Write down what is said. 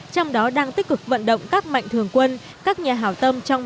trong đó đang tích cực vận động các mạnh thường quân các nhà hảo tâm